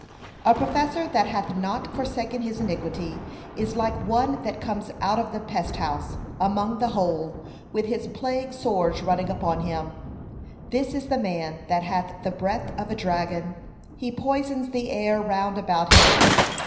A professor that hath not forsaken his iniquity, is like one that comes out of the pest house, among the whole, with his plague sores running upon him. This is the man that hath the breath of a dragon, he poisons the air round about him.